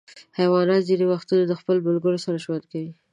حیوانات ځینې وختونه د خپلو ملګرو سره ژوند کوي.